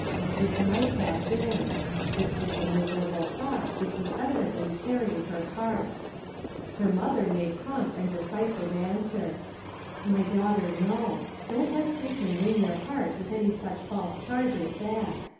" It might have been !" This was the miserable thought which was evidently tear ing her heart. Her mother made prompt and decisive answer :" My daughter, no. Don't let Satan wring your heart with any such false charge as that.